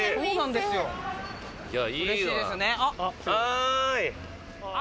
はい。